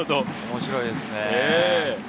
面白いですね。